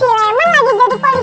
di kamar depan